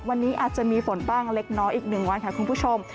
วันนี้อาจจะมีฝนบ้างเล็กน้อยอีก๑วันค่ะคุณผู้ชม